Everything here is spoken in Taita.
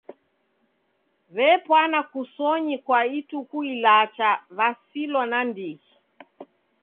W'epwana kusonyi kwa ituku ilacha w'asilwa nandighi.